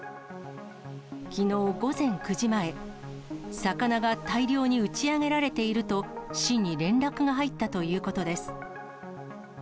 きのう午前９時前、魚が大量に打ち上げられていると、市に連絡が入ったということです。